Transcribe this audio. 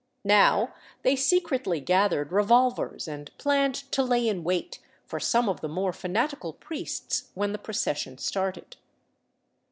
Now they secretly gathered revolvers and planned to lay in wait for some of the more fanatical priests when the procession started.